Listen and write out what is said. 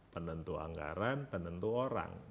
penentu anggaran penentu orang